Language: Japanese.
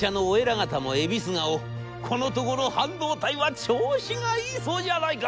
『このところ半導体は調子がいいそうじゃないか。